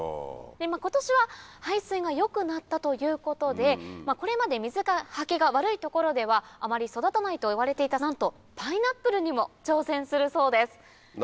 今年は排水が良くなったということでこれまで水はけが悪い所ではあまり育たないといわれていたなんとパイナップルにも挑戦するそうです。